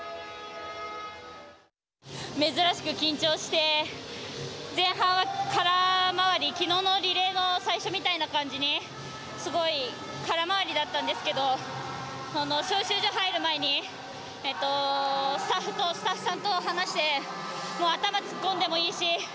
珍しく緊張して前半は空回り昨日のリレーの最初みたいな感じにすごい空回りだったんですけど招集所入る前にスタッフさんと話して頭突っ込んでもいいし手、